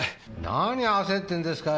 何焦ってんですか？